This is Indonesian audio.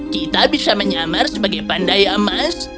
kita bisa menyamar sebagai pandai emas